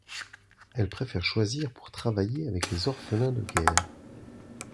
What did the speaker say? Elle préfère choisir pour travailler avec les orphelins de guerre.